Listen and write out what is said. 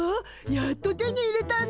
やっと手に入れたの。